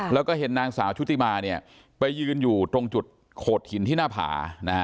แล้วก็เห็นนางสาวชุติมาเนี่ยไปยืนอยู่ตรงจุดโขดหินที่หน้าผา